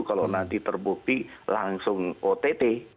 kalau nanti terbukti langsung ott